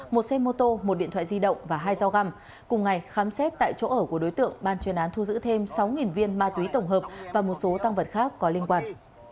một xe mô tô một điện thoại di động và hai dao găm cùng ngày khám xét tại chỗ ở của đối tượng ban chuyên án thu giữ thêm sáu viên ma túy tổng hợp và một số tăng vật khác có liên quan